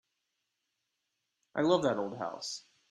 I love that old house.